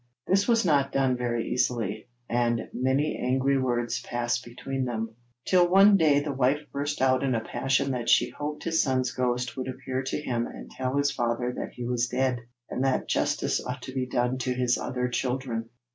This was not done very easily, and many angry words passed between them, till one day the wife burst out in a passion that she hoped his son's ghost would appear to him and tell his father that he was dead, and that justice ought to be done to his other children.